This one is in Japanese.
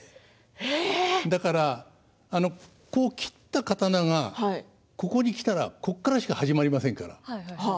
だから切った刀が端にきたらそこからしか始まりません。